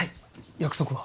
約束は？